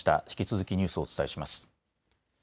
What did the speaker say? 引き続きニュースをお伝えします。